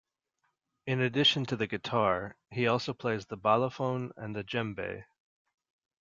In addition to the guitar, he also plays the balafon and the djembe.